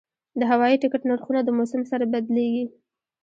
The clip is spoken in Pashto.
د هوایي ټکټ نرخونه د موسم سره بدلېږي.